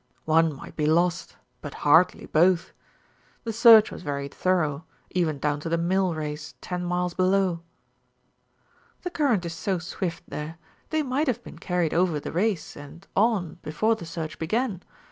One might be lost, but hardly both. The search was very thorough, even down to the mill race ten miles below." "The current is so swift there, they might have been carried over the race, and on, before the search began.